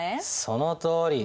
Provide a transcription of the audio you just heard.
そのとおり。